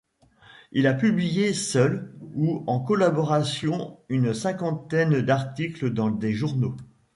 Il a publié seul ou en collaboration une cinquantaine d’articles dans des journaux.